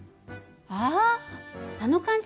ああの感じね。